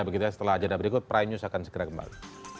begitulah setelah ajadah berikut prime news akan segera kembali